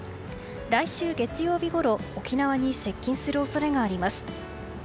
来週月曜日ごろ沖縄に接近する恐れがあります。